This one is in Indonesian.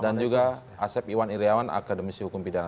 dan juga asep iwan iryawan akademisi hukum pidana